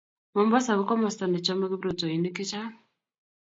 Mombasa ko komosta ne chomei kiprutoinik chechang